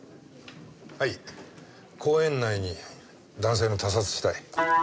はい公園内に男性の他殺死体。